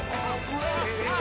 えっ！